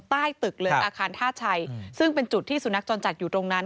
ใต้ตึกเลยอาคารท่าชัยซึ่งเป็นจุดที่สุนัขจรจัดอยู่ตรงนั้น